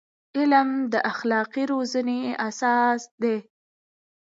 علم د اخلاقي روزنې اساس دی.